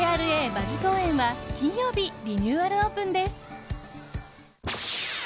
馬事公苑は金曜日リニューアルオープンです。